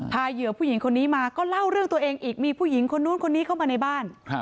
เหยื่อผู้หญิงคนนี้มาก็เล่าเรื่องตัวเองอีกมีผู้หญิงคนนู้นคนนี้เข้ามาในบ้าน